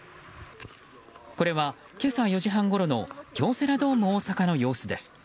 これは今朝４時半ごろの京セラドーム大阪の様子です。